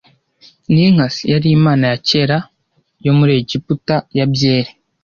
Ninkasi yari imana ya kera yo muri Egiputa ya Byeri